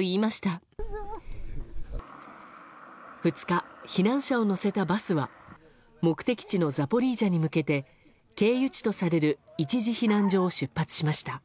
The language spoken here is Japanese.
２日、避難者を乗せたバスは目的地のザポリージャに向けて経由地とされる一時避難所を出発しました。